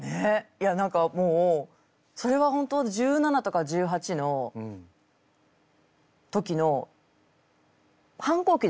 いや何かもうそれは本当１７とか１８の時の反抗期でもあったんですよね。